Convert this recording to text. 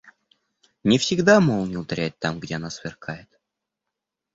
Не всегда молния ударяет там, где она сверкает.